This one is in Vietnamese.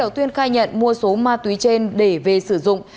tuyên khai nhận mua số ma túy trên để về sử dụng